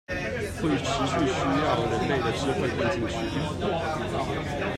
會持續需要人類的智慧灌進去